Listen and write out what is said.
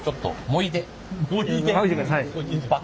もいでください。